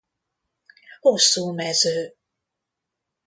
Hosszú mező.